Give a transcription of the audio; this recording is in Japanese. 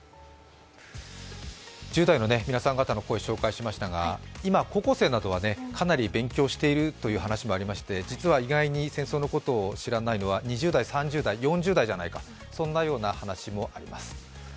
１０代の皆さん方の声紹介しましたが今、高校生などはかなり勉強しているという話もありまして実は意外に戦争のことを知らないのは２０代、３０代、４０代じゃないかと、そんな話もあります。